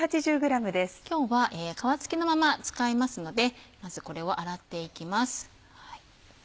今日は皮付きのまま使いますのでまずこれを洗っていきます。